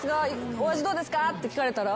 「お味どうですか？」って聞かれたら？